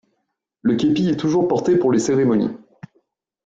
Le képi est toujours porté pour les cérémonies.